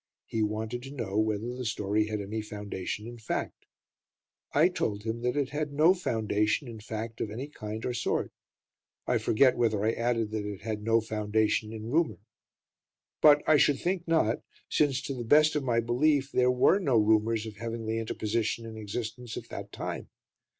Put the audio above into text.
He wanted to know whether the story had any foundation in fact. I told him that it had no foundation in fact of any kind or sort; I forget whether I added that it had no foundation in rumour but I should think not, since to the best of my belief there were no rumours of heavenly interposition in existence at that time.